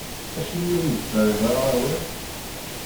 Acimi ur iyi-d-terriḍ ara awal?